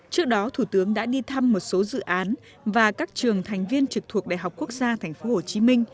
trước đó thủ tướng đã đi thăm một số dự án và các trường thành viên trực thuộc đại học quốc gia tp hcm